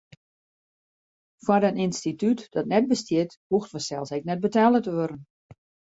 Foar in ynstitút dat net bestiet, hoecht fansels ek net betelle te wurden.